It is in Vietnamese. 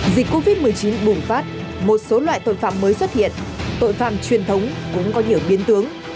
dịch covid một mươi chín bùng phát một số loại tội phạm mới xuất hiện tội phạm truyền thống cũng có nhiều biến tướng